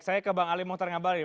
saya ke bang ali mohtar ngabalin